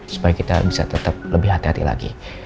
supaya kita bisa tetap lebih hati hati lagi